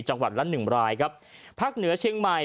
จังหวัดละหนึ่งรายครับภาคเหนือเชียงใหม่